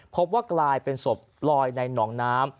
พบว่ากลายเป็นศพลอยในหนองน้ำ